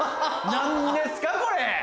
何ですか⁉これ。